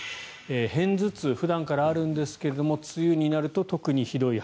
片頭痛、普段からあるんですが梅雨になると特にひどい。